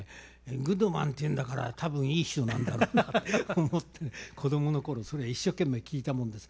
グッドマンっていうんだから多分いい人なんだろうなと思って子供の頃それを一生懸命聴いたもんです。